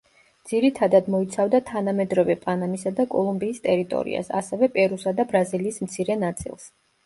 ძირითადად მოიცავდა თანამედროვე პანამისა და კოლუმბიის ტერიტორიას, ასევე პერუსა და ბრაზილიის მცირე ნაწილს.